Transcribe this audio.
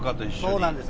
そうなんです。